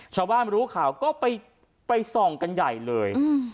ชาวบ้านรู้ข่าวก็ไปส่องกันใหญ่เลย